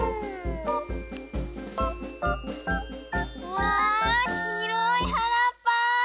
わあひろいはらっぱ。